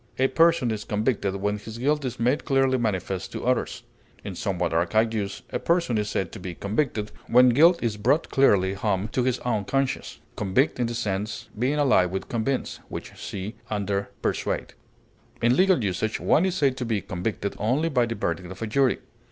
A person is convicted when his guilt is made clearly manifest to others; in somewhat archaic use, a person is said to be convicted when guilt is brought clearly home to his own conscience (convict in this sense being allied with convince, which see under PERSUADE); in legal usage one is said to be convicted only by the verdict of a jury.